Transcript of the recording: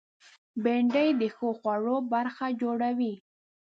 بېنډۍ د ښو خوړو برخه جوړوي